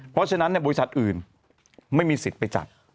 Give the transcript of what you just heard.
เพราะฉะนั้นบริษัทอื่นไม่มีสิทธิ์ไปจับ